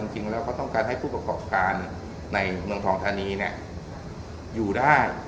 จริงแล้วเขาต้องการให้ผู้ประกอบการในเมืองทองธานีอยู่ได้